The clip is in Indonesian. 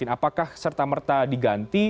apakah serta merta diganti